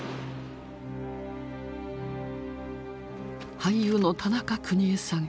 俳優の田中邦衛さん。